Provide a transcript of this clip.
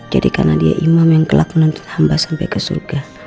jadi karena dia imam yang kelakuan untuk hamba sampai ke surga